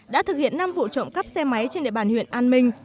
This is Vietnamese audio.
đã thực hiện năm vụ trộm cắp xe máy trên địa bàn huyện an minh